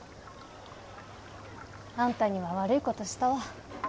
アンタには悪いことしたわ。